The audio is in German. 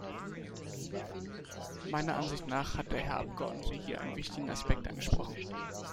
Meiner Ansicht nach hat der Herr Abgeordnete hier einen wichtigen Aspekt angesprochen.